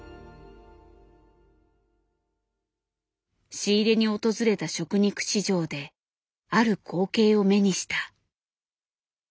仕入れに訪れた食肉市場である光景を目にした。